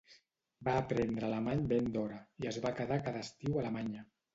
Va aprendre alemany ben d'hora, i es va quedar cada estiu a Alemanya.